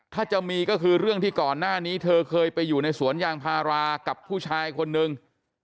ถ้าจะมีก็คือเรื่องที่ก่อนหน้านี้เธอเคยไปอยู่ในสวนยางพารากับผู้ชายคนนึง